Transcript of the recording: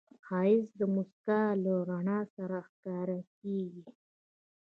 ښایست د موسکا له رڼا سره ښکاریږي